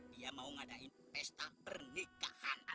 dia mau ngadain pesta pernikahan